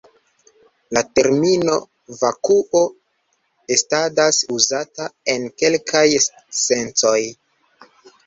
La termino "vakuo" estadas uzata en kelkaj sencoj.